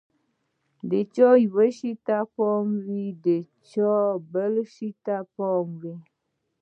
د چا یوه شي ته پام وي، د چا بل شي ته پام وي.